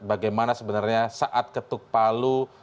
bagaimana sebenarnya saat ketuk palu